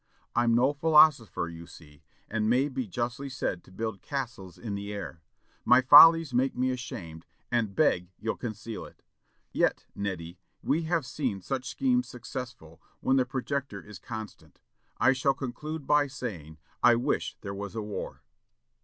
I'm no philosopher, you see, and may be justly said to build castles in the air; my folly makes me ashamed, and beg you'll conceal it; yet, Neddy, we have seen such schemes successful, when the projector is constant. I shall conclude by saying, I wish there was a war."